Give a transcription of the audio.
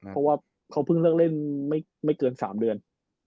เพราะว่าเขาเพิ่งเลิกเล่นไม่เกิน๓เดือน